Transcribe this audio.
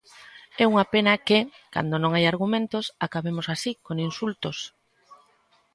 É unha pena que, cando non hai argumentos, acabemos así, con insultos.